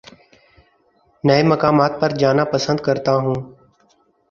نئے مقامات پر جانا پسند کرتا ہوں